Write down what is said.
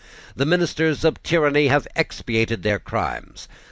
The ministers of tyranny have expiated their crimes.